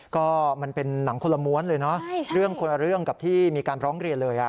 ก็มันเป็นหนังคนละม้วนเลยเนอะเรื่องคนละเรื่องกับที่มีการร้องเรียนเลย